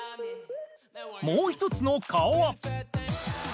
もう１つの顔は。